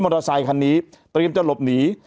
มอเตอร์ไซต์คันนี้พรีมจะหลบหนี